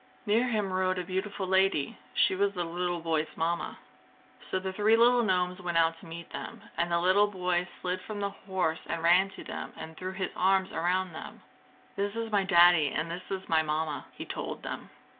Near him rode a beautiful lady. She was the little boy's Mamma. So the three little gnomes went out to meet them, and the little boy slid from the horse and ran to them and threw his arms around them. "This is my Daddy, and this is my Mamma!" he told them.